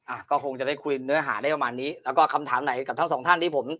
อ่ะก็คงจะได้คุยเนื้อหาได้ประมาณนี้แล้วก็คำถามไหนกับทั้งสองท่านที่ผม